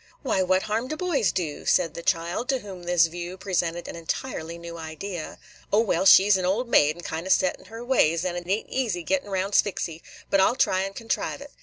"Why, what harm do boys do?" said the child, to whom this view presented an entirely new idea. "O, well, she 's an old maid, and kind o' set in her ways; and it ain't easy gettin' round Sphyxy; but I 'll try and contrive it.